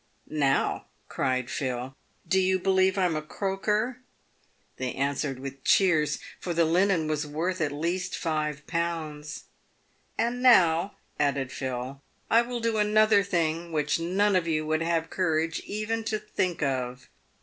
" Now," cried Phil, " do you believe I'm a croaker ?" They answered with cheers, for the linen was worth at least five pounds. " And now," added Phil, " I will do another thing which none of you would have courage even to think of."